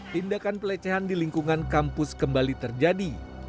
tindakan pelecehan di lingkungan kampus kembali terjadi